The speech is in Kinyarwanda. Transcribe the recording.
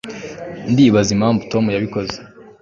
ndibaza impamvu tom yabikoze